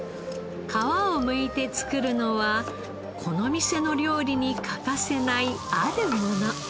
皮をむいて作るのはこの店の料理に欠かせないあるもの。